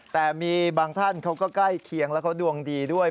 แต่มีบางท่านเขาก็ใกล้เคียงแล้วเขาดวงดีด้วย